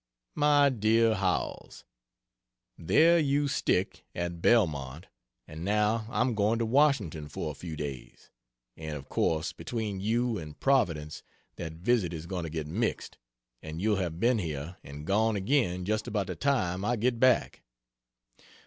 MY DEAR HOWELLS, There you stick, at Belmont, and now I'm going to Washington for a few days; and of course, between you and Providence that visit is going to get mixed, and you'll have been here and gone again just about the time I get back.